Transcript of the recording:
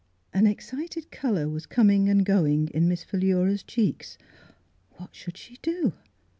An excited colour was coming and going in Miss Philura's cheeks. What should she do?